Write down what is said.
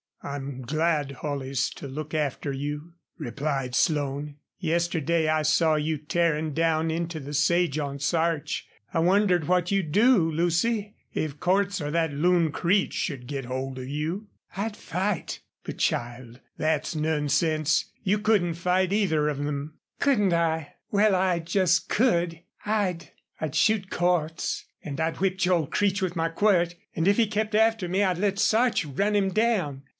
"I'm glad Holley's to look after you," replied Slone. "Yesterday I saw you tearin' down into the sage on Sarch. I wondered what you'd do, Lucy, if Cordts or that loon Creech should get hold of you?" "I'd fight!" "But, child, that's nonsense. You couldn't fight either of them." "Couldn't I? Well, I just could. I'd I'd shoot Cordts. And I'd whip Joel Creech with my quirt. And if he kept after me I'd let Sarch run him down.